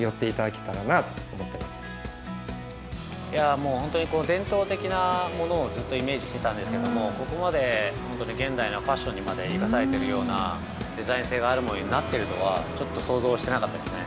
◆もう本当に、伝統的なものをずっとイメージしてたんですけど、ここまで現代のファッションにまで生かされているようなデザイン性があるものになっているとは、ちょっと想像してなかったですね。